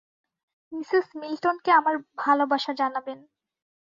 Mrs মিল্টনকে আমার ভালবাসা জানাবেন।